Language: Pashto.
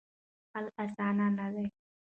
حل اسانه نه دی.